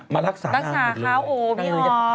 มารักษานางหมดเลยนะรักษาเขาโอ้โฮพี่ออฟ